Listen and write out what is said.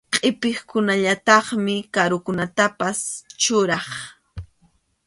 Qʼipiqkunallataqmi karunatapas churaq.